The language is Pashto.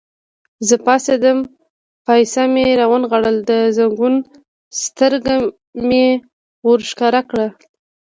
زه پاڅېدم، پایڅه مې را ونغاړل، د زنګون سترګه مې ور ښکاره کړل.